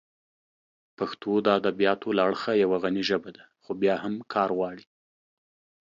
پښتو د ادبیاتو له اړخه یوه غني ژبه ده، خو بیا هم کار غواړي.